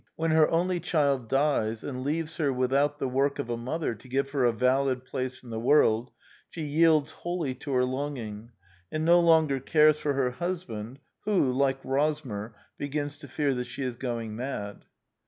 When her only child dies and leaves Her without the work of a mother to give her a valid place in the world, she yields wholly to her longing, and no longer cares for her husband, who, like Rosmer, begins to fear that she is going mad.